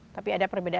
tapi ada perbedaan